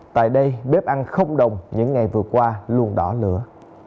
tại đây bếp ăn không đồng những ngày vừa qua luôn đỏ lửa